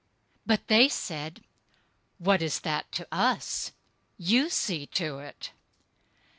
But they said, "What is that to us? You see to it."